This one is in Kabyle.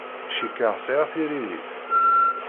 Cikkeɣ sɛiɣ tiririt.